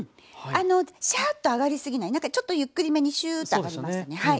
シャーッと揚がり過ぎない何かちょっとゆっくりめにシューッと揚がりますねはい。